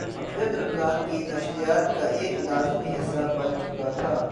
امجد رمضان کی نشریات کا ایک لازمی حصہ بن چکا تھا۔